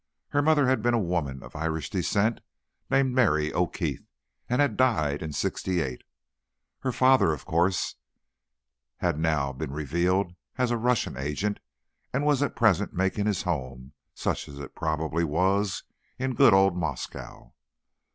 Her mother had been a woman of Irish descent named Mary O'Keefe, and had died in '68. Her father, of course, had now been revealed as a Russian agent, and was at present making his home, such as it probably was, in good old Moscow.